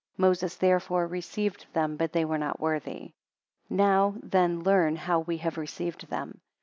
Moses therefore received them, but they were not worthy. 16 Now then learn how we have received them.